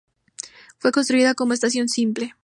Fue construida como estación simple.